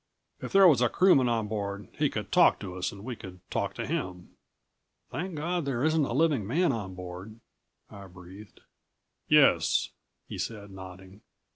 If there was a crewman on board he could talk to us and we could talk to him." "Thank God there isn't a living man on board," I breathed. "Yes," he said, nodding.